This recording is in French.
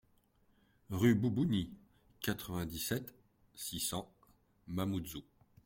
Rue Boubouni, quatre-vingt-dix-sept, six cents Mamoudzou